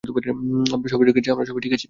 আমরা সবাই ঠিক আছি।